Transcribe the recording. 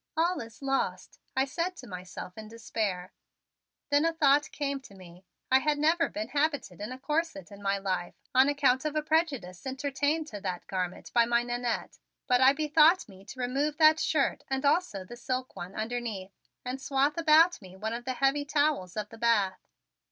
All is lost!" I said to myself in despair. Then a thought came to me. I had never been habited in a corset in my life on account of a prejudice entertained to that garment by my Nannette, but I bethought me to remove that shirt and also the silk one underneath and swath about me one of the heavy towels of the bath.